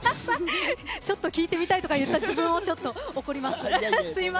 ちょっと聞いてみたいとか言った自分を怒ります。